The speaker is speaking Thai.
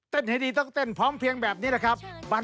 ให้ดีต้องเต้นพร้อมเพียงแบบนี้แหละครับ